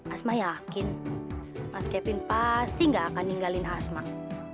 asmat yakin mas kevin pasti gak akan ninggalin asmat